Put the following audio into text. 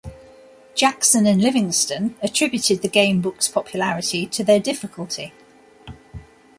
Jackson and Livingstone attributed the gamebooks' popularity to their difficulty.